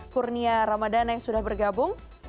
kurnia ramadana yang sudah bergabung